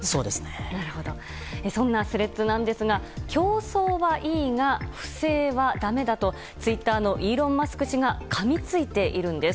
そんなスレッズですが競争はいいが不正はだめだとツイッターのイーロン・マスク氏がかみついているんです。